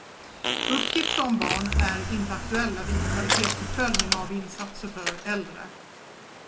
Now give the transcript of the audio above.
Uppgifter om barn är inte aktuella vid kvalitetsuppföljning av insatser för äldre.